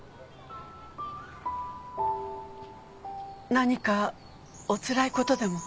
何かおつらいことでも？